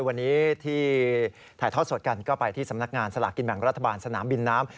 วันนี้ที่ถ่ายทอดสดกันก็ไปที่สำนักงานสลากกินแบ่งรัฐบาลสนามบินน้ำ